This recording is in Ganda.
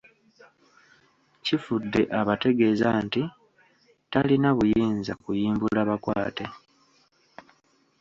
Kifudde abategeeza nti talina buyinza kuyimbula bakwate.